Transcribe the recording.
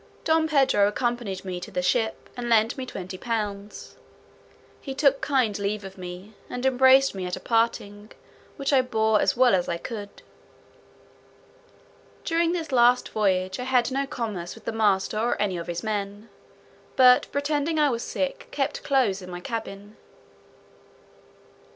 Don Pedro accompanied me to the ship, and lent me twenty pounds. He took kind leave of me, and embraced me at parting, which I bore as well as I could. During this last voyage I had no commerce with the master or any of his men; but, pretending I was sick, kept close in my cabin.